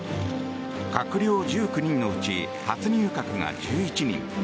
閣僚１９人のうち初入閣が１１人。